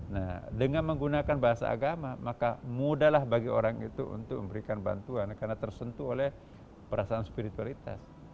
nah dengan menggunakan bahasa agama maka mudahlah bagi orang itu untuk memberikan bantuan karena tersentuh oleh perasaan spiritualitas